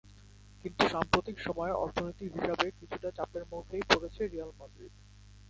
কিন্তু সাম্প্রতিক সময়ে অর্থনীতির হিসাবে কিছুটা চাপের মুখেই পড়েছে রিয়াল মাদ্রিদ।